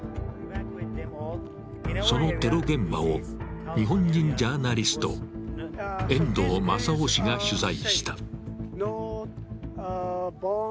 そのテロ現場を日本人ジャーナリスト、遠藤正雄氏が取材した。